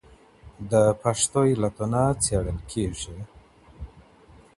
د پېښو علتونه څېړل کیږي.